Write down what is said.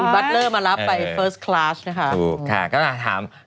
บัตเตอร์มารับไปเฟิร์สคลาสนะครับ